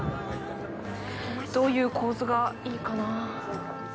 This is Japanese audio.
どういう構図がいいかなぁ。